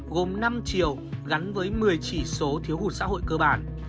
gồm năm chiều gắn với một mươi chỉ số thiếu hụt xã hội cơ bản